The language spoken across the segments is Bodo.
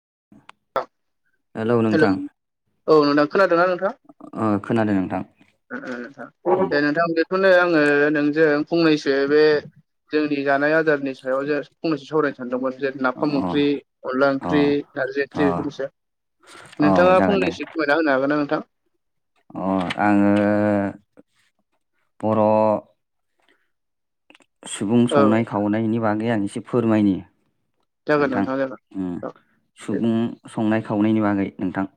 [inaudible] हेल' नोंथां औ नोंथां। खोनादोंना नोंथां? ओ खोनादों नोंथां दे नोंथां बेखौनो आङो नोंजों फंनैसो बे जोंनि जानाय आदारनि सायाव जे फंनैसो सावरायनो सानदोंमोन। जेन अ नाफाम ओंख्रि, अनला अ ओंख्रि, नारजि ओंख्रि अ बेफोरखौ सो। औ नोंथाङा जागोन दे फंनैसो फोरमायना होनो हागोन ना नोंथां? अ आङो बर' सुबुं औ संनाय-खावनायनि बागै आं एसे फोरमायनि जागोन नोंथां, जागोन उम औ दे सुबुं संनाय-खावनायनि बागै नोंथां।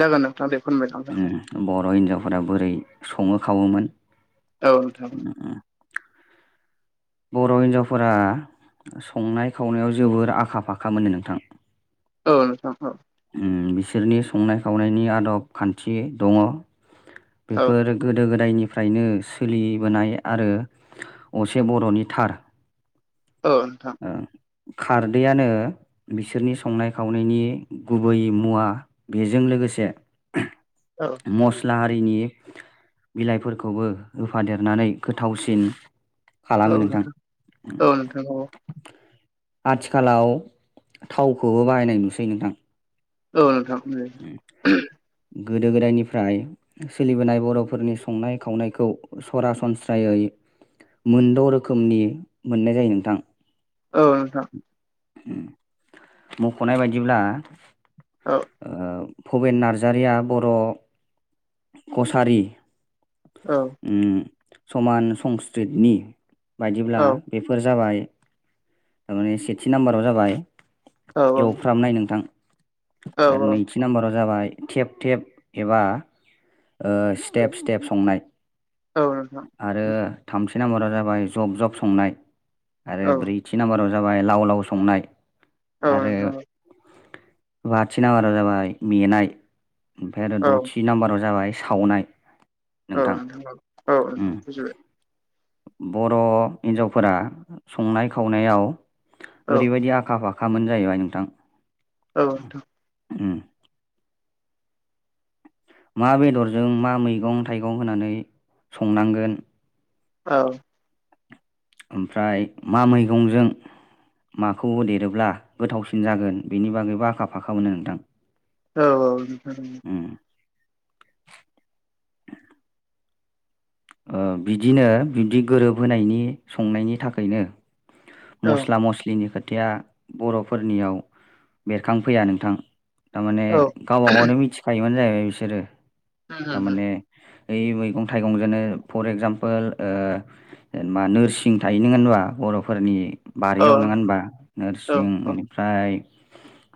जागोन नोंथां दे। फोरमायलां उम बर' हिनजावफोरा बोरै सङो खावोमोन। औ नोंथां। बर' हिन्जावफोरा संनाय-खावनायाव जोबोर आखा फाखा मोननो नोंथां। ओ नोंथां औ। उम बिसोरनि संनाय खावनायनि आदब खान्थि दङ। औ बेफोर गोदो गोदायनि निफ्रायनो सोलिबोनाय आरो असे बर'नि थार औ नोंथां। खारदैयानो बिसोरनि संनाय खावनायनि गुबै मुवा बेजों लोगोसे [inaudible] मस्ला आ रिनि बिलाइफोरखौबो रुफादेरनानै गोथावसिन खालामो नोंथां। नोंगौ। आथिखालाव थावखौबो बाहायनाय नुसै नोंथां। औ नोंथां। गोदो गोदायनिफ्राय सोलिबोनाय बर'फोरनि संनाय खावनायखौ सरासनस्रायै मोनद' रोखोमनि मोननाय जायो नोंथां। औ नोंथां। उम मख'नाय बायदिब्ला औ ओ भबेन नार्जारिया बर' कसारि उम समान संस्कृतनि बायदिब्ला बेफोर जाबाय थारमाने सेथि नाम्बाराव जाबाय औ एवफ्राब नाय नोंथां औ औ आरो नैथि नाम्बारा जाबाय थेब थेब एबा ओ स्टेप स्टेप संनाय औ नोंथां आरो थाम थि नाम्बाराव जाबाय जब जब संनाय आरो औ ब्रैथि नाम्बाराव जाबाय लाव लाव संनाय औ आरो नोंथां औ बाथि नाम्बारा जाबाय मेनाय ओमफ्राय आरो औ दथि नाम्बाराव जाबाय सावनाय औ नोंथां औ नोंथां उम बुजिबाय बर' हिन्जावफोरा संनाय खावनायाव औ ओरैबायदि आखा फाखामोन जाहैबाय नोंथां औ नोंथां उम मा बेदरजों मा मैगं थाइगं होनानै संनांगोन औ ओमफ्राय मा मैगंजों माखौ देरोब्ला गोथावसिन जागोन बेनि बागैबो आखा फाखा मोननो नोंथां औ औ नोंथां उम ओ बिदिनो बिब्दि गोरोबहायनि संनायनि थाखायनो औ मस्ला मस्लिनि खोथाया बर'फोरनियाव बेरखांफैया नोंथां। थारमाने गावबा गावनो मिथिखायोमानो जाहैबाय बिसोरो थारमाने ओइ मैगं थाइगंजोंनो फर एगजामपोल जेनेबा नोरसिं थायो नंङा होनबा बर' फोरनि औ बारियाव नंङा होनबा नोरसिं बेनिफ्राय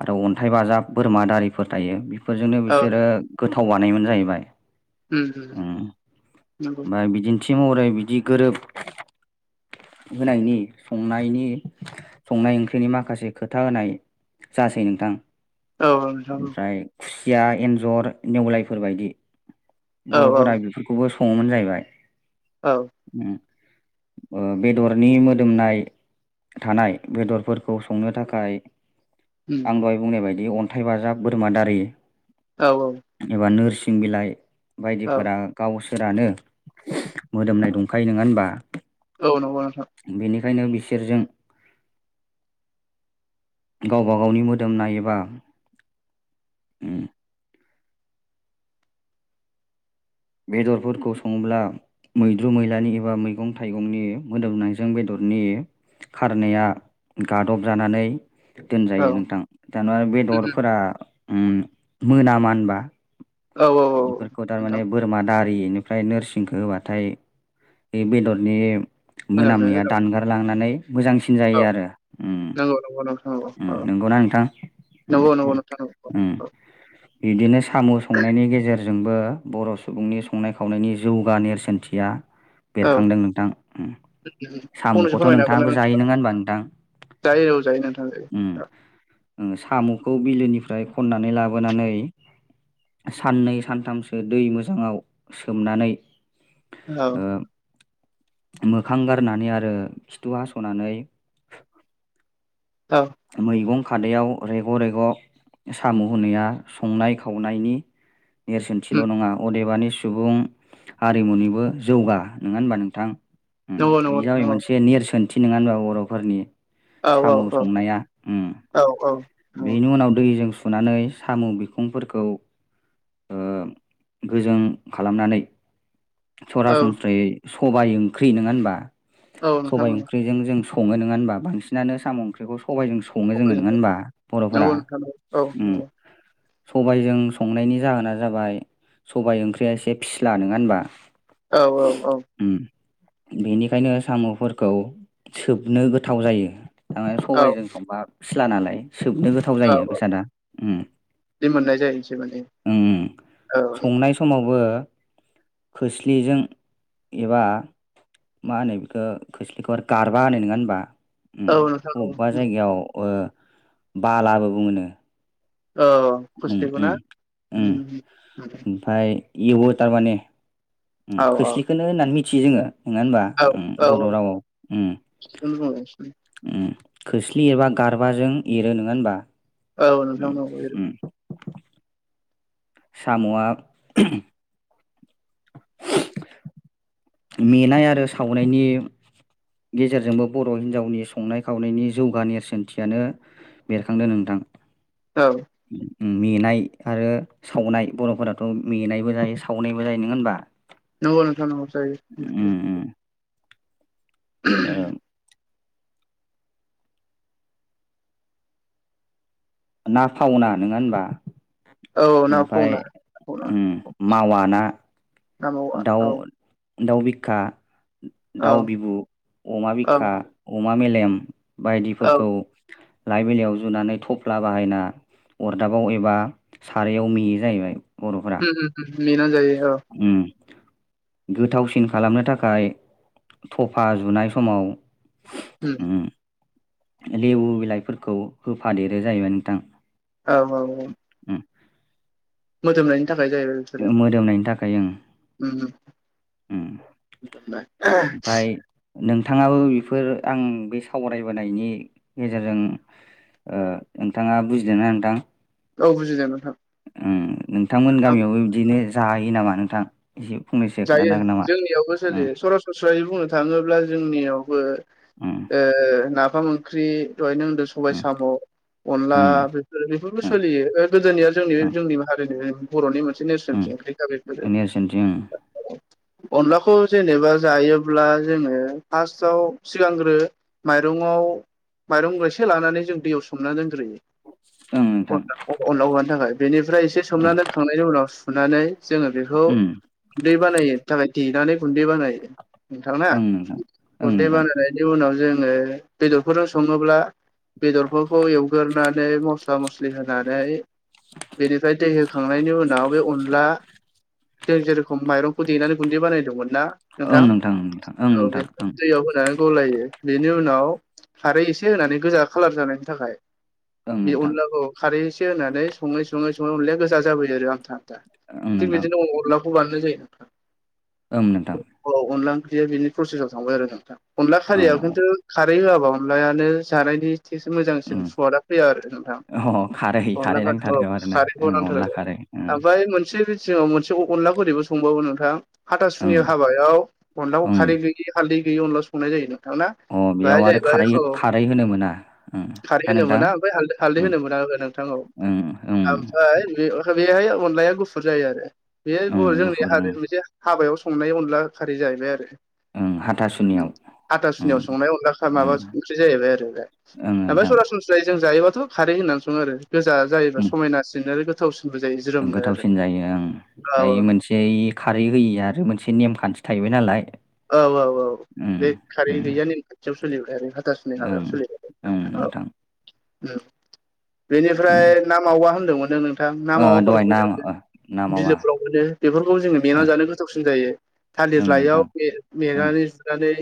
आरो अन्थाइ बाजाब बोरमा दारिफोर थायो बेफोरजोंनो बिसोरो। गोथाव बानायोमोन जाहैबाय। उम नंगौ। थिमहरै बिदि गोरोब होनायनि। संनायनि संनाय ओंख्रिनि माखासे खोथा होनाय जासै नोंथां। औ औ नोंथां औ। ओमफ्राय खुसिया, एन्जर, नेवलायफोर बायदि औ औ बर'फोरा बेफोरखौबो संङोमोन जाहैबाय औ उम ओ बेदरनि मो दोमनाय थानाय बेदरफोरखौ संनो थाखाय औ आं नोंथां दहाय बुंनाय बाय दि बे अन्थाइ बाजाब बोरमा दारि औ एबा नोरसिं बिलाइ। बायदिफोरा गावसोरानो मोदोमनाय दंखायो नंङा ओनबा औ नंगौ नोंथां। बेनिखायनो बिसोरजों। गावबा गावनि मोदोमनाय एबा उम बेदरफोरखौ संङोब्ला मैद्रु मैलानि एबा मैगं थाइगंनि मोदोमनायजों बेदर नि खारनाया गाद'बजानानै। औ दोनजायो नोंथां दाना बेदरफोरा उम मोनामा ओनबा? औ औ बेफोरखौ नंगौ नोंथां औ नोंथां थारमाने बोरमा दारि। बेनिफ्राय नोरसिंखौ होबाथाय बे बेदरनि। मोनामनाय औ मोनामनाया दानगारलांनानै मोजांसिन जायो उम नंगौ नंगौ नोंथां नंगौ उम औ नंगौना नोंथां नंगौ नंगौ उम नोंथां नंगौ उम बिदिनो साम' संनायनि गेजेर जोंबो बर' सुबुंनि संनाय खावनायनि जौगा नेरसोनथिया औ बेरखांदों नोंथां उम फंनैसो साम'खौथ' फोरमायनो हागोन ना नोंथांङाबो जायो नोंथाङा नंङा ओनबा नोंथां जायो औ जायो नोंथां उम जायो। उम साम'खौ बिलोनिफ्राय खननानै लाबोनानै। साननै सानथामसो दै मोजांङाव सोमनानै औ मोखां गारनानै आरो खिथु हास'नानै। औ मैगं खादायाव रेग' रेग' साम' हुनाया संनाय खावनायनि नेरसोनथिल' उम नङा अदेबानि सुबुं हारिमुनिबो जौगा नङा होनबा नोंथां? उम नंगौ बे नंगौ जाबाय नंगौ मोनसे नेरसोनथि नङा होनबा बर'फोरनि औ औ साम' औ संनाया? उम। औ औ। नंगौ बेनि उनाव दैजों सुनानै साम' बिखंफोरखौ ओ गोजों खालामनानै औ सरासनस्रायै सबाइ ओंख्रि नोङा होनबा औ नोंथां सबाइ नंगौ ओंख्रिजों जों स सङो नोङा होनबा बांसिनानो साम' ओंख्रिखौ स सबाइजों सङो जोङो नोङा खबनिफ्राय होनबा बर'फोरा नंगौ नोंथां नंगौ औ उम नंगौ सबाइजों संनायनि जाहोना जाबाय सबाइ ओंख्रिया एसे फिस्ला नोङा होनबा? औ औ औ। उम बेनिखायनो साम'फोरखौ सोबनो गोथाव जायो। माने औ सबाइजों संबा फिसला नालाय सोबनो गोथाव औ जायो औ बेसादा उम। बिदि मोननाय जायो एसे मोननाय उम औ संनाय समावबो खोस्लिजों एबा मा होनो बेखो खोस्लिखो गारबा होनो नोङा होनबा? उम औ नोंथां बबेबा जायगायाव‌ ओ बालाबो बुङोनो। औ उम फुस्लिखौ ना उम उम ओमफाय एवो तारमाने उम औ खोस्लिखोनो होननानै मिथियो जोङो। नङा होनबा औ उम औ बर रावआव थिगखौनो बुंदों उम उम। खोस्लि एरबा गारबाजों एरो नोङा होनबा? औ नोंथां उम नंगौ एरो। उम साम'आ [inaudible] मेनाय आरो सावनायनि गेजेरजोंबो बर' हिनजावनि संनाय खावनायनि जौगा नेरसोनथियानो बेरखांदो नोंथां। औ। उम मेनाय आरो सावनाय बर'फोराथ' मेनायबो जायो सावनायबो जायो नोङा होनबा? नोंगौ नोंथां औ जायो उम उम [unintelligible] ओ उमह ना फावना नङा होनबा? औ ना ओमफ्राय फावना फावना उम मावा ना ना मावा दाउ औ। दाउ बिखा, औ दाउ बिबु, अमा औ बिखा, अमा मेलेम औ बायदिफोरखौ लाइ बिलाइयाव जुनानै थफ्ला बाहायना अरदाबाव एबा सारायाव मेयो जाहैबाय। बर'फोरा। मेना जायो। औ उम। गोथावसिन खालामनो थाखाय थफा जुनाय समाव उम। लेबु बिलाइफोरखौ होफादेरो जाहैबाय नोंथां। औ औ औ। मोदोमनायनि थाखाय जाहैबाय बिफोरो। उम मोदोमनायनि थाखाय ओं उम उम मोदोमनाय। ओमफाय नोंथाङाबो बेफोर आं बे सावरायबोनायनि गेजेरजों ओ नोंथाङा बुजिदोंना नोंथां? औ बुजि दों नों उम नोंथांमोन गामियावबो बिदिनो जाहैयो नामा नोंथां? एसे फंनैसो जायो खोन्थानो हागोन नामा? जोंनियावबो उम सोलियो सरासनस्रायै बुंनो थाङोब्ला जोंनियावबो उम ओ‌ नाफाम ओंख्रि दहायनो होनदों सबाय उम साम' अनला ओं बेफोर बेफोरबो ओं सोलियो ओ गोदोनिया जोंनि जोंनि हारिनि बर'नि मोन से ओं नेरसोनथि ओंख्रि ना बेफोरो। उम नेरसोनथि ओं [inaudible] अनलाखौ जेनेबा जायोब्ला जोङो फार्स्टआव सिगांग्रो माइरंआव माइरंगयसे लानानै जों दैयाव सोमनानै दोन ओं नोंथां जायो अनलायाव अनलायाव हरनो थाखाय बेनिफ्राय एसे ओं सोमनानै खांनायनि उनाव सु नानै जोङो बेखौ उम गुन्दै बानायो थाखाय देनानै गुन्दै बानायो। नोंथां ना ओं नोंथां ओं गुन्दै नोंथां बानायनायनि उनाव जों जेरै बेदरफोरजों सङोब्ला बेदरफोरखौ एवगोरनानै मस मस्ला मस्लि होनानै बेनिफ्राय दै होखांनायनि उनाव बे अनला जों जेरेखम माइरंखौ देनानै गुन्दै बानायदोंमोन ना नोंथां ओं औ नोंथां बे ओं दैयाव होनानै गलायो बेनि उनाव खारै एसे होनानै गोजा खालार जानायनि थाखाय। बे नोंथां अनलाखौ खारै एसे होनानै संङै संङै संङै अनलाया गोजा जाबोयो आरो ओनथां। ओं ओं नोंथां ओं थिग नोंथां बिदिनो अनलाखौ बानायनाय जायो नोंथां। ओं नोंथां। बियो बिनि प्रसेसआव थांबाय आरो नोंथां अनला खारियाव ओं खिन्थु खारै होआबा अनलायानो जानायनि एसेसो मोजांसिन उम सुवादा फैया आरो नोंथां अ खारै अनला खारै खार ओ नांथारगौ आरोना खारैखौ ओं अनला नांथारगौ। खारै ओं ओमफाय मोनसे बिथिंङाव मोनसे अनलाखौ ओरैबो संबावो नोंथां हाथासुनि ओं हाबायाव अनलाखौ ओं खारै गैयि हालदै गैयि अनला संनाय जायो नों थां ना अ बेहाय बेयाव आरो जाहैबाय खारै खौ खारै होनो मोना उम खारै ना होनो नोंथां मोना ओमफाय हालदै हालदै उम होनो मोना। नोंथां ओ ओं ओं आमफाय बे-बेहाय-बेहाय औ अनलाया गुफुर जायो आरो बे ओं औ जोंनि गुफुर ओं हारि मोनसे हाबायाव संनाय अनला खारि जाहैबाय आरो। उम हाथा हाथासुनियाव हाथासुनियाव संनाय अनलाखा माबा उम ओंख्रि जाहैबाय आरो बे। ओं ओमफाय नोंथां सरासनस्रायै जों जायोबाथ' खारै होनानै संङो आरो गोजा जायोबा उम समायनासिन आरो गोथावसिन गोथावसिन जायो ओं। औ दायो मोनसे इ खारै होयि आरो मोनसे नेमखान्थि थाहैबाय नालाय। औ औ औ उम बे खारै उम गैयिआ नेम खानथियाव सोलिबाय आरो। हाथासुनि हाबायाव ओं सोलिबाय ओं आरो औ। नोंथां उम उम बेनिफ्राय ना मावा होन्दोंमोन नो नों थां ना ओ दहाय ना मावाबाफोरखौबो जोंङो ओ ना मावा बिलोफोराव मोनो बेफोरखौबो जोंङो ओ मेना जानो गोथावसिन जायो। ओं थालिर लायाव नोंथां मे ओं मेनानै जुनानै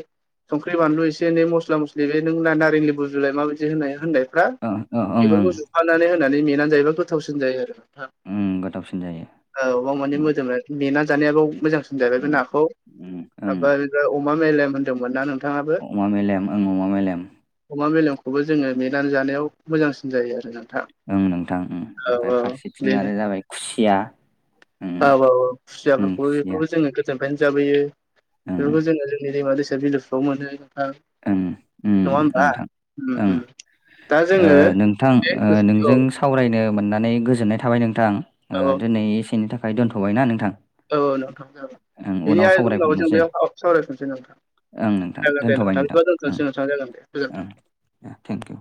संख्रि बानलु एसे एनै मस्ला मस्लि बे नों ना नारें लिबु जुलाय माबायदि होनाया होनबाय फ्रा ओं ओं ओं ओं बेफोरखौ जुफानानै होनानै मेनानै जायोबा गोथावसिन जायो आरो। ओं गोथावसिन जायो औ बाव माने उम मोदोमनाय मेना जानायाबाव मोजांसिन जाबाय बे उम नाखौ। उम फ्राय अमा मेलेम होनदोंमोन ना नोंथांङाबो ओं अमा मेलेम ओं अमा मेलेम अमा मेलेम खौबो जोंङो मेनानै जानायाव मोजांसिन जायो आरो ना। ओं नोंथां उम ओमफ्राय फारसेथिं बेनो आरो जाबाय खुसिया। उम औ औ औ उम खुसियाफोरखौबो खुसिया बेखौबो जोंङो गोजोन निफ्रायनो जाबोयो ओं बेफोरखौ जोंङो जोंनि दैमा दैसा बिलोफ्रावबो मोनो। ओं उम नङा होमबा नोंथां उम ओं। उम दा ओ जोङो नोंथां बे ओ औ नोंजों सावरायनो मोननानै गोजोननाय थाबाय नोंथां ओ औ दिनै एसेनि थाखाय दोन्थ'बायना नोंथां। औ नोंथां जागोन ओं बेनि उनाव आरो बुंनांगौ जों सावरायफिननोसै बेयाव सावरायफिनसै नोंथां। ओं नोंथां दोन्थ'बाय नोंथां। ओ ओं दोनथनोसै नोंथां जागोन‌ दे ओं गोजोनथों। थेंकिउ